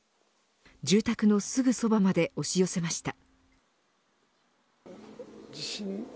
住宅のすぐそばまで押し寄せました。